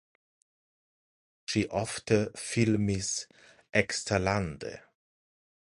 Ŝi ofte filmis eksterlande.